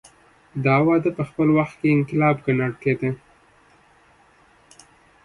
دا وده په خپل وخت کې انقلاب ګڼل کېده.